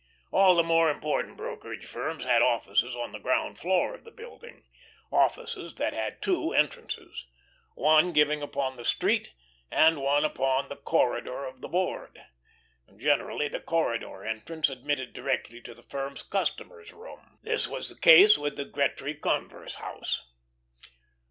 All the more important brokerage firms had offices on the ground floor of the building, offices that had two entrances, one giving upon the street, and one upon the corridor of the Board. Generally the corridor entrance admitted directly to the firm's customers' room. This was the case with the Gretry Converse house.